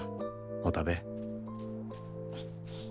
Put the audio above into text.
お食べ。